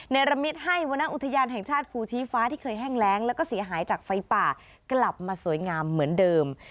ระมิตให้วรรณอุทยานแห่งชาติภูชีฟ้าที่เคยแห้งแรงแล้วก็เสียหายจากไฟป่ากลับมาสวยงามเหมือนเดิม